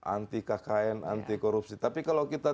anti kkn anti korupsi tapi kalau kita